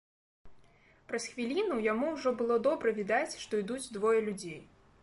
Праз хвіліну яму ўжо было добра відаць, што ідуць двое людзей.